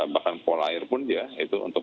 bahkan polair pun ya itu untuk